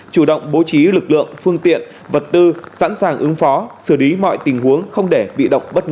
chủ động bố trí lực lượng phương tiện vật tư sẵn sàng ứng phó xử lý mọi tình huống không để bị động bất ngờ